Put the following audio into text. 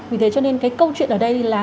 vì thế cho nên cái câu chuyện ở đây là